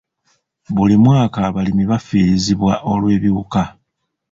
Buli mwaka abalimi bafiirizibwa olw'ebiwuka.